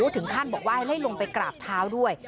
ถึงขั้นบอกว่าให้ลงไปกราบเท้าด้วย